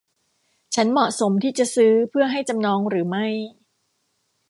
ฉันเหมาะสมที่จะซื้อเพื่อให้จำนองหรือไม่